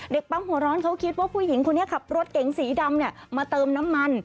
ปั๊มหัวร้อนเขาคิดว่าผู้หญิงคนนี้ขับรถเก๋งสีดำเนี่ยมาเติมน้ำมัน